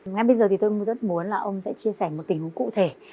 ngay bây giờ thì tôi rất muốn là ông sẽ chia sẻ một tình huống cụ thể